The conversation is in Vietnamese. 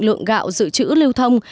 lượng gạo dự trữ lưu thông